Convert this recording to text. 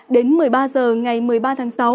đến một mươi ba h ngày một mươi ba tháng sáu